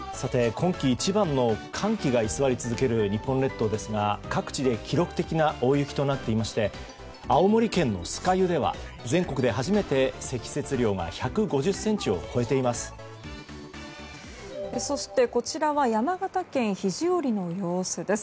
今季一番の寒気が居座り続ける日本列島ですが各地で記録的な大雪となっていまして青森県の酸ヶ湯では全国で初めて積雪量が１５０ｃｍを超えています。